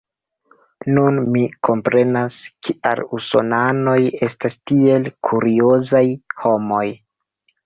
Nun mi komprenas, kial usonanoj estas tiel kuriozaj homoj.